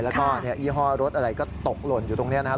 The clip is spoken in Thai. แล้วก็ยี่ห้อรถอะไรก็ตกหล่นอยู่ตรงนี้นะครับ